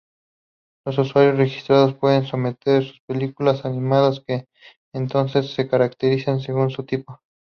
Los usuarios registrados pueden someter sus películas animadas, que entonces se categorizan según tipo.